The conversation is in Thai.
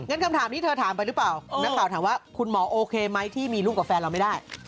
คำถามนี้เธอถามไปหรือเปล่านักข่าวถามว่าคุณหมอโอเคไหมที่มีลูกกับแฟนเราไม่ได้